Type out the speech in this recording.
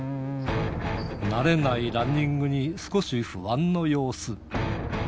慣れないランニングに少し不安の様子。